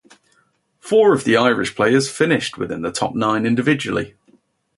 Four of the Irish players finished within the top nine individually.